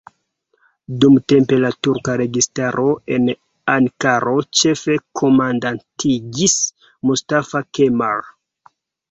Dumtempe la turka registaro en Ankaro ĉef-komandantigis Mustafa Kemal.